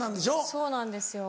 そうなんですよ。